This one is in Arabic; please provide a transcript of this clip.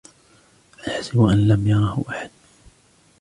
أَيَحْسَبُ أَنْ لَمْ يَرَهُ أَحَدٌ